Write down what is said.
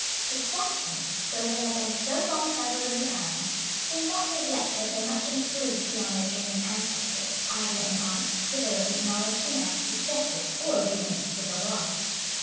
] The Saxons, though they had been so long settled in the island, seem not as yet to have been much improved beyond their German ancestors, either hi arts, civility, knowledge, humanity, justice, or obedience to the laws.